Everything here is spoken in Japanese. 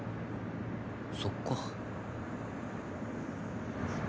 そっか。